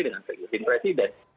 dengan seingin presiden